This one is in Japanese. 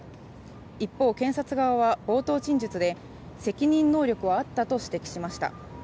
一方、検察側は冒頭陳述で責任能力はあったと指摘しました。